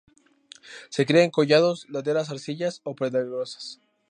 Se cría en collados y laderas arcillosas o pedregosas.